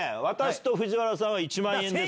私と藤原さんは１万円。